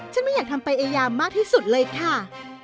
ไม่อยากทำไปอายามากที่สุดเลยค่ะ